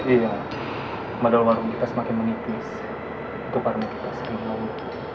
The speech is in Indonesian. iya padahal warung kita semakin menipis itu parmen kita sekarang